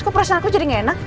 aku perasaan aku jadi gak enak